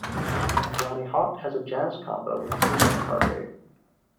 Johnny Hott has a jazz combo with Stephen McCarthy.